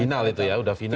final itu ya sudah final